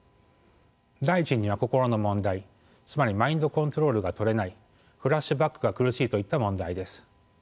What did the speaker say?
第１には「心の問題」つまり「マインドコントロールがとれない」「フラッシュバックが苦しい」といった問題です。